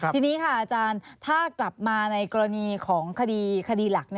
ทีนี้ค่ะอาจารย์ถ้ากลับมาในกรณีของคดีหลัก